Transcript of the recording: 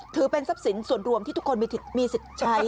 ถือเป็นทรัพย์สินส่วนรวมที่ทุกคนมีสิทธิ์ใช้